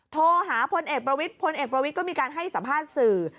โทรหาพลเอกประวิทย์พลเอกประวิทย์ก็มีการให้สัมภาษณ์สื่อ